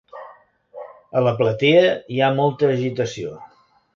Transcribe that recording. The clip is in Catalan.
A la platea hi ha molta agitació.